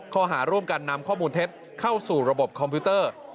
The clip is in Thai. ข้อหาร่วมกันนำข้อมูลเท็จเข้าสู่ระบบคอมพิวเตอร์